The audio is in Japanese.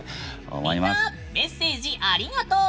みんなメッセージありがとう！